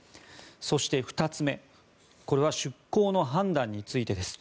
そして、２つ目これは出航の判断についてです。